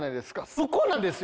そこなんですよ！